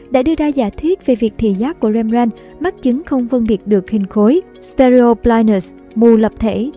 đã đưa ra giả thuyết về việc thì giác của rembrandt mắt chứng không phân biệt được hình khối mù lập thể